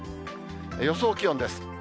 予想気温です。